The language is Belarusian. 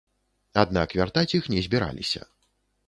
Аднак вяртаць іх не збіраліся.